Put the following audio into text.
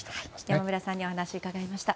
山村さんにお話を伺いました。